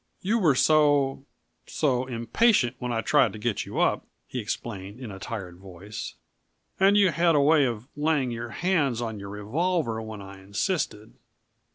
"You were so so impatient when I tried to get you up," he explained in a tired voice. "And you had a way of laying your hands on your revolver when I insisted.